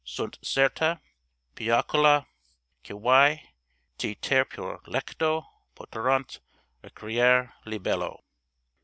Sunt certa piacula quae te Ter pure lecto poterunt recreare libello.